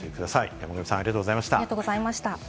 山神さん、ありがとうございました。